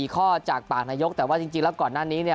ข้อจากปากนายกแต่ว่าจริงแล้วก่อนหน้านี้เนี่ย